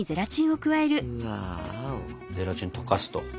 ゼラチン溶かすと。